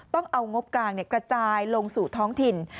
ต้องเอางบกลางกระจายลงสู่ท้องถิ่น